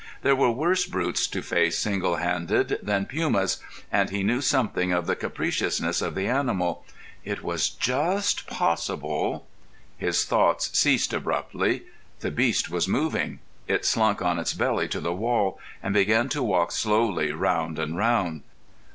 There were worse brutes to face single handed than pumas, and he knew something of the capriciousness of the animal. It was just possible—— His thoughts ceased abruptly. The beast was moving. It slunk on its belly to the wall, and began to walk slowly round and round.